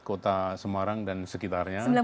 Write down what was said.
kota semarang dan sekitarnya